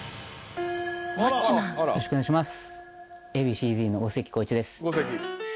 よろしくお願いします。